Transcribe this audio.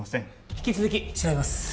引き続き調べます。